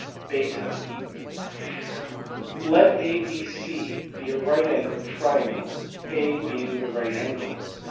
(/3) Let ABC be a right angled triangle, A being the right angle.